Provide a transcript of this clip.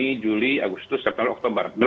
may juni juli agustus september oktober